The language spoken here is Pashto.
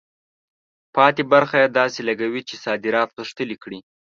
پاتې برخه یې داسې لګوي چې صادرات غښتلي کړي.